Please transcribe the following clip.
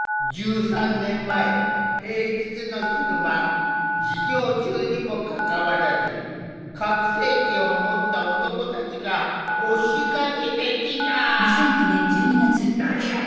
１３年前平日の昼間授業中にもかかわらず拡声機を持った男たちが押しかけてきた。